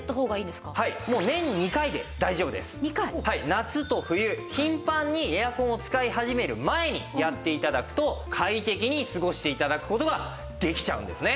夏と冬頻繁にエアコンを使い始める前にやって頂くと快適に過ごして頂く事ができちゃうんですね。